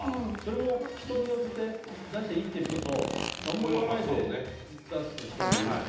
それも人によって出していいよっていう人と、何も言わないで出す人もいるしね。